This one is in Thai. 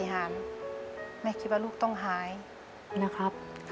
นะแม่นะแม่ต้องสู้นะ